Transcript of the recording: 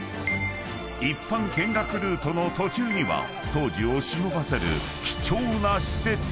［一般見学ルートの途中には当時をしのばせる］